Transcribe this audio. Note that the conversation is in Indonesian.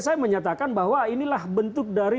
saya menyatakan bahwa inilah bentuk dari